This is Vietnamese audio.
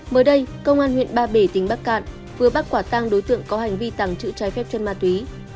mới đây công an huyện ba bể tỉnh bắc cạn vừa bắt quả tăng đối tượng có hành vi tàng trữ trái phép chân ma túy